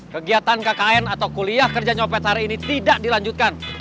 kegiatan kkn atau kuliah kerja nyopet hari ini tidak dilanjutkan